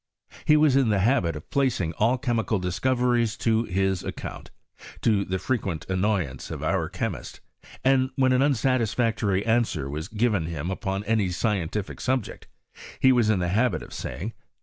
He was in the habit of placing all chemical discoveries to his account, to the frequent annoyance of our chemist ; and when an unsatisfactory answer was given him upon any scientific subject, he was in the habit of saying.